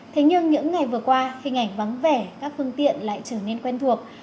thế nhưng những ngày vừa qua hình ảnh vắng vẻ các phương tiện lại trở nên quen thuộc